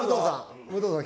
武藤さん